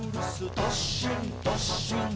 どっしんどっしん」